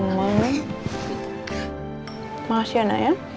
makasih anak ya